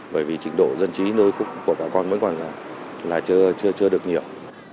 bởi vì trình độ dân trí nơi khu vực của bà con vẫn còn là chưa được nhiều